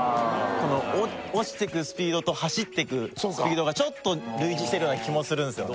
この落ちてくスピードと走ってくスピードがちょっと類似してるような気もするんすよ